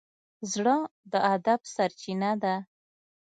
زړه د ادب سرچینه ده.